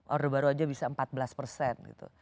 order baru aja bisa empat belas gitu